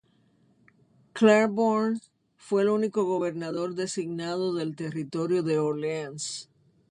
Claiborne fue el único gobernador designado del Territorio de Orleáns.